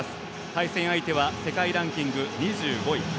対戦相手は世界ランキング２５位。